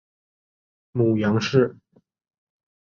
母杨氏。